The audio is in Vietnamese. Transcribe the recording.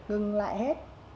hưng lại hết